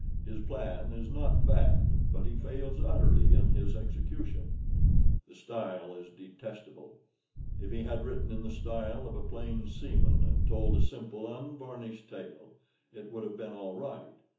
His plan is not bad, but he fails utterly in his execution. The style is detestable. If he had written in the style of a plain seaman, and told a simple unvarnished tale, it would have been all right.